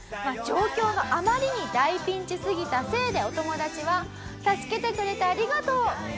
状況があまりに大ピンチすぎたせいでお友達は「助けてくれてありがとう」。